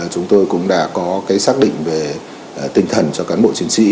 chúng tôi cũng đã có xác định về tinh thần cho cán bộ chiến sĩ